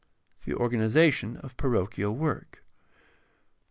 The organization of parochial work.